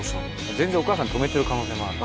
全然お母さん止めてる可能性もある。